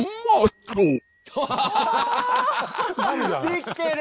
できてる！